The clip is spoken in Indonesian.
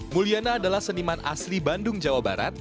mulyana adalah seniman asli bandung jawa barat